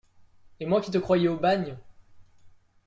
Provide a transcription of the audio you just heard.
Et moi qui te croyais au bagne !